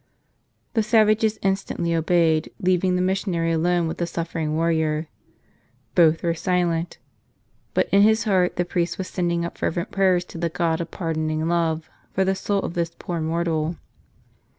The savages instantly obeyed, leaving the mission¬ ary alone with the suffering warrior. Both were silent. But in his heart the priest was sending up fervent prayers to the God of pardoning love for the soul of this poor mortal.